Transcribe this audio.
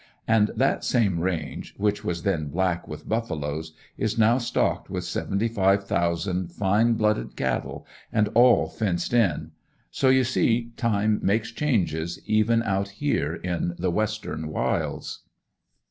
And that same range, which was then black with buffaloes, is now stocked with seventy five thousand fine blooded cattle, and all fenced in. So you see time makes changes, even out here in the "western wilds."